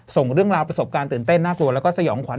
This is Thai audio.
ส่งเรื่องราวประสบการณ์ตื่นเต้นน่ากลัวแล้วก็สยองขวั